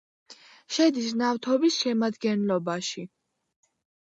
შედის ნავთობის შემადგენლობაში.